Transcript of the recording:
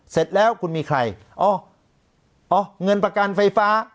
เสร็จแล้วคุณมีใครอ๋ออ๋อเงินประกันไฟฟ้า